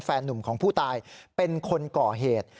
หนุ่มของผู้ตายเป็นคนก่อเหตุ